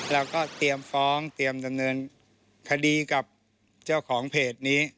เราก็เตรียมฟ้องเตรียมดำเนินคดีกับเจ้าของเพจนี้